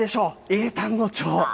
英単語帳。